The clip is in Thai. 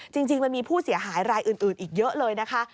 จริงมันมีผู้เสียหายรายอื่นอีกเยอะเลยนะคะ